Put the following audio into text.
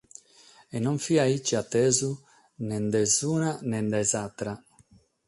E non fiat gasi a tesu nen dae s'una nen dae s'àtera.